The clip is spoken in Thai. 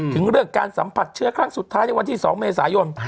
ถึงเรื่องการสัมผัสเชื้อครั้งสุดท้ายในวันที่๒เมษายน